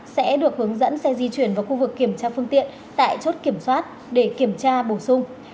sẽ được hướng dẫn xe di chuyển vào khu vực kiểm tra phương tiện tại chốt kiểm soát để kiểm tra bổ sung